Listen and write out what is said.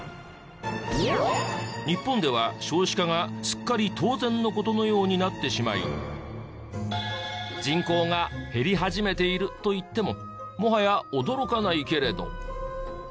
日本では少子化がすっかり当然の事のようになってしまい人口が減り始めているといってももはや驚かないけれど。